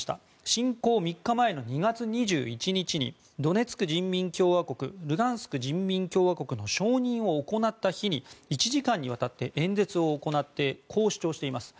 侵攻３日前の２月２１日にドネツク人民共和国ルガンスク人民共和国の承認を行った日に１時間にわたって演説を行ってこう主張しています。